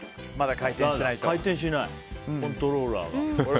回転しない、コントローラーが。